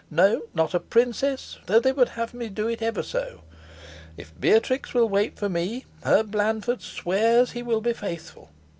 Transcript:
No, not a princess, though they would have me do it ever so. If Beatrix will wait for me, her Blandford swears he will be faithful.'